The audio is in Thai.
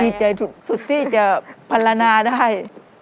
ดีใจที่ซูซี่จะภารณาได้